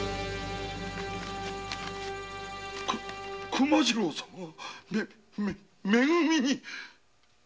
熊次郎様が「め組」に。